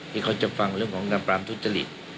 ที่เขาจะฟังเรื่องของนางปรามทุจริต